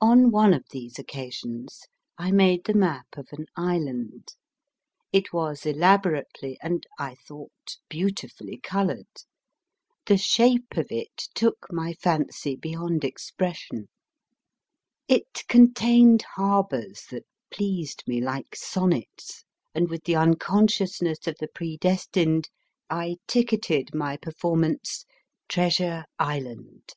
On one of these occasions, I made the map of an island ; it was elaborately and (I thought) beautifully coloured ; the shape of it took my fancy beyond expression ; it contained harbours that pleased me like sonnets ; and with the unconsciousness of the pre destined, I ticketed my performance Treasure Island.